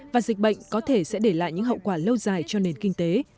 và dịch bệnh có thể sẽ để lại những hậu quả lâu dài cho nền kinh tế